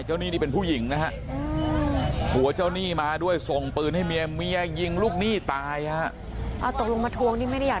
แล้วนี่เป็นผู้หญิงนะฮะหัวจะหนี้มาด้วยส่งปืนให้เมียตัวลังมากเลย